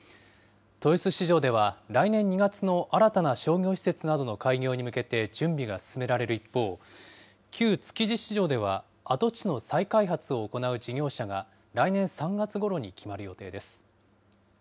豊洲市場では、来年２月の新たな商業施設などの開業に向けて準備が進められる一方、旧築地市場では、跡地の再開発を行う事業者が、来年３月ごろに決まる予定です。